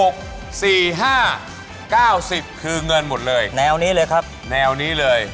เก้าสิบคือเงินหมดเลยแนวนี้เลยครับแนวนี้เลย